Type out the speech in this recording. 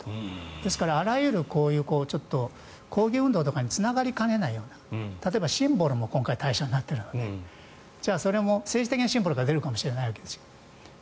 ですから、あらゆる抗議運動とかにつながりかねないような例えばシンボルも今回対象になっているのでじゃあ、それも政治的なシンボルが出るかもしれないわけです。